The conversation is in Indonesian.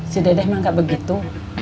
si dede mak enggak begitu